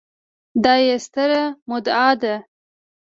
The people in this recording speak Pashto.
دا يې ستره مدعا ده